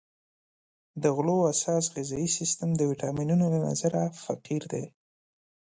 د غلو اساس غذایي سیستم د ویټامینونو له نظره فقیر دی.